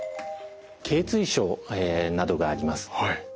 頚椎症などがあります。